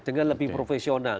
dengan lebih profesional